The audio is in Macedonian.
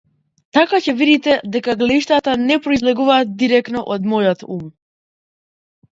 Така ќе видите дека гледиштата не произлегуваат дирекно од мојот ум.